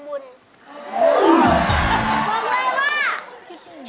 บอกเลยว่า